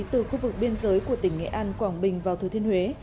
từ khu vực biên giới của tỉnh nghệ an quảng bình vào thừa thiên huế